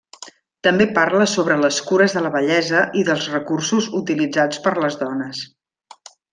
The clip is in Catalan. També parla sobre les cures de la bellesa i dels recursos utilitzats per les dones.